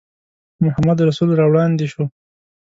محمدرسول را وړاندې شو.